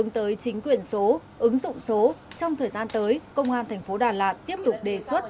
tuyển số ứng dụng số trong thời gian tới công an thành phố đà lạt tiếp tục đề xuất